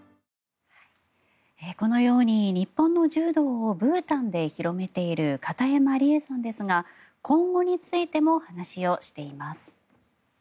このように日本の柔道をブータンで広めている片山理絵さんですが今後についても話をしています。